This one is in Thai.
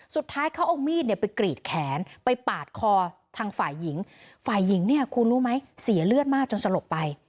สุดท้ายเขาเอามีดเนี่ยไปกรีดแขนไปปาดคอทางฝ่ายหญิงฝ่ายหญิงเนี่ยคุณรู้ไหมเสียเลือดมากจนสลบไป